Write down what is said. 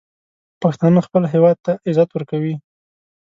پښتانه خپل هیواد ته عزت ورکوي.